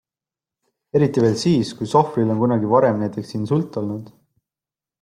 Eriti veel siis, kui sohvril on kunagi varem näiteks insult olnud.